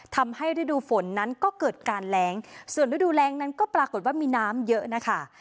ทำให้ฤดูฝนนั้นก็เกิดการแรงส่วนฤดูแรงนั้นก็ปรากฏว่ามีน้ำเยอะนะคะ